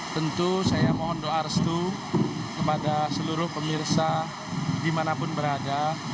tentu saya mohon doa restu kepada seluruh pemirsa dimanapun berada